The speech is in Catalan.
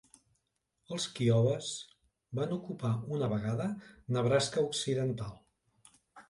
Els kiowes van ocupar una vegada Nebraska occidental.